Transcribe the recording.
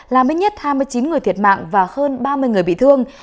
làm ít nhất hai mươi chín người thiệt mạng và hơn ba mươi người bị thương